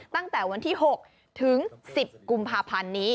ตั้งแต่วันที่๖ถึง๑๐กุมภาพันธ์นี้